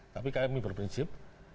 tapi kami berprinsip